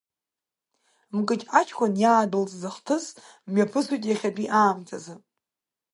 Мкыд аҷкәын иаадәылҵыз ахҭыс мҩаԥысуеит иахьатәи аамҭазы.